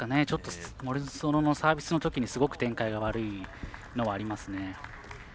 ちょっと森薗のサービスのときにすごく展開が悪いのはありますね。